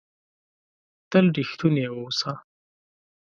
تل ریښتونی اووسه!